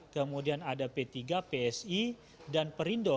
kemudian ada p tiga psi dan perindo